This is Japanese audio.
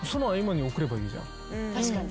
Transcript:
確かに。